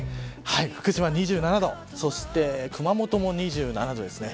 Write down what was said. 福島２７度そして熊本も２７度ですね。